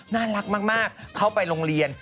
น่ารักมากเข้าไปโรงเรียน